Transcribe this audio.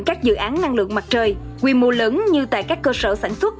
các dự án năng lượng mặt trời quy mô lớn như tại các cơ sở sản xuất